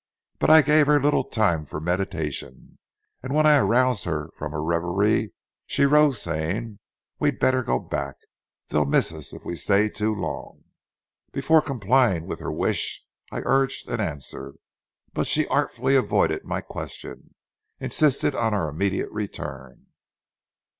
But I gave her little time for meditation, and when I aroused her from her reverie, she rose, saying, "We'd better go back—they'll miss us if we stay too long." Before complying with her wish, I urged an answer; but she, artfully avoiding my question, insisted on our immediate return.